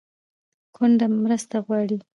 کونډه مرسته غواړي